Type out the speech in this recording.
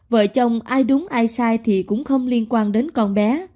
vợ chồng ai đúng ai sai thì cũng không liên quan đến con bé